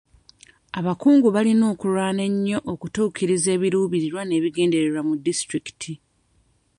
Abakungu balina okulwana ennyo okutuukiriza ebiruubirirwa n'ebigendererwa mu disitulikiti.